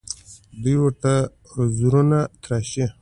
دوی ورته عذرونه تراشي